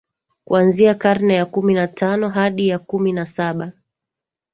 kuanzia karne ya kumi na tano hadi ya kumi na saba